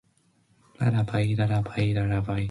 Ce Dildunge wuchnes̃h Chikis̃h wost.